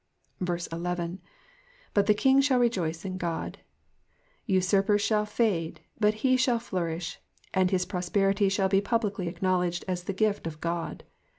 11. ^t the king shall rejoice in God,^^ Usurpers shall fade, but ho shall flourish ; and his prosperity shall be publicly acknowledged as the gift of God.